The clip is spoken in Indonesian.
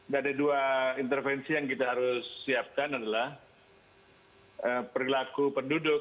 dan ada dua intervensi yang kita harus siapkan adalah perilaku penduduk